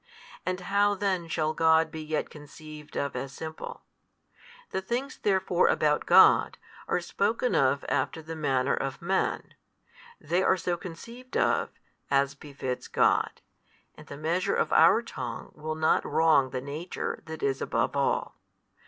and how then shall God be yet conceived of as Simple? The things therefore about God, are spoken of after the manner of men: they are so conceived of, as befits God, and the measure of our tongue will not wrong the Nature That is above all.